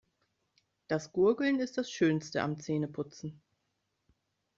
Das Gurgeln ist das Schönste am Zähneputzen.